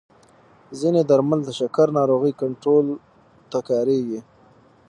ځینې درمل د شکر ناروغۍ کنټرول ته کارېږي.